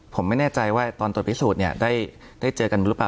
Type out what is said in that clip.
ผมไม่แน่ใจว่าตอนตรวจพิสูจน์เนี่ยได้เจอกันหรือเปล่า